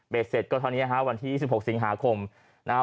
เบ็ดเสร็จก็ตอนเนี้ยฮะวันที่ยี่สิบหกสิงหาคมนะฮะ